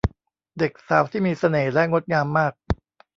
เด็กสาวที่มีเสน่ห์และงดงามมาก